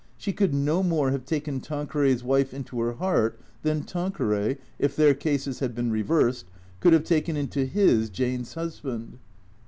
She could no more have taken Tanqueray's wife into her heart than Tanqueray, if their cases had been reversed, could have taken into his Jane's husband.